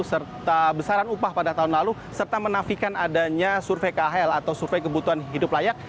serta besaran upah pada tahun lalu serta menafikan adanya survei khl atau survei kebutuhan hidup layak